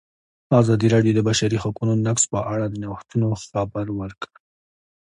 ازادي راډیو د د بشري حقونو نقض په اړه د نوښتونو خبر ورکړی.